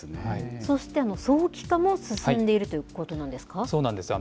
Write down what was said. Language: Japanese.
そして早期化も進んでいるということなんですか。